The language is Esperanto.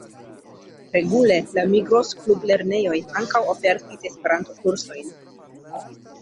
Regule la Migros-Klublernejoj ankaŭ ofertis Esperanto-kursojn.